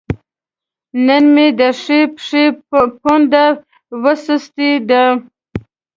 نن مې د ښۍ پښې پونده وسستې ده